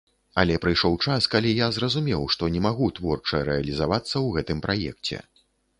Але прыйшоў час, калі я зразумеў, што не магу творча рэалізавацца ў гэтым праекце.